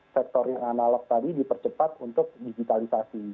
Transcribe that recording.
sektor yang analog tadi dipercepat untuk digitalisasi